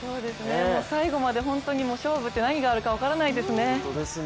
最後まで勝負って何があるか分からないですよね。